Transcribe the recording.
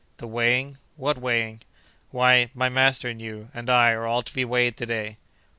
"The weighing—what weighing?" "Why, my master, and you, and I, are all to be weighed to day!"